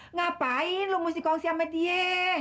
ngapain lu mesti kongsi ama dia